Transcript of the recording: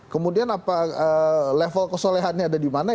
kemudian apa level kesolehannya ada di mana